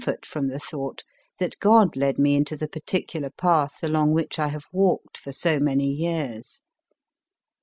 156 MY FIRST BOOK from the thought that God led me into the particular path along which I have walked for so many years.